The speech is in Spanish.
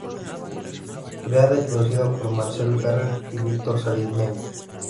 Creada y producida por Marcel Ferrer y Víctor Sariñana.